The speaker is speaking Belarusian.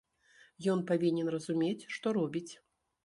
Ён павінен разумець, што робіць.